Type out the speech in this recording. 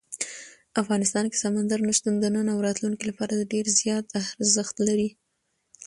افغانستان کې سمندر نه شتون د نن او راتلونکي لپاره ډېر زیات ارزښت لري.